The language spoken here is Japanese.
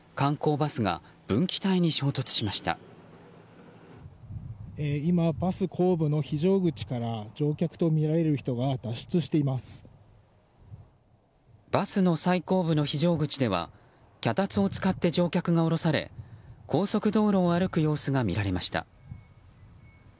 バスの最後部の非常口では脚立を使って乗客が降ろされ、高速道路を歩く様子が見られました。